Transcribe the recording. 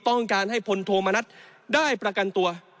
ต้องการให้พลโทมนัฐได้ประกันตัว